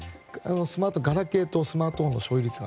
ガラケーとスマートフォンの所有率が。